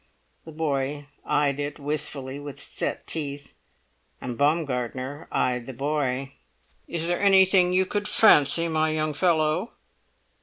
The boy eyed it wistfully with set teeth, and Baumgartner eyed the boy. "Is there anything you could fancy, my young fellow?"